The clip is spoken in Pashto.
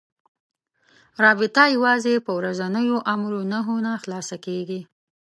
رابطه یوازې په ورځنيو امر و نهيو نه خلاصه کېږي.